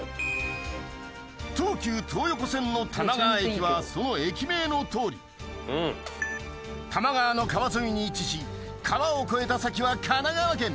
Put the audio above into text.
東急東横線の多摩川駅はその駅名のとおり多摩川の川沿いに位置し川を越えた先は神奈川県